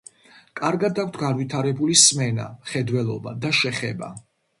კარგად აქვთ განვითარებული სმენა, მხედველობა და შეხება.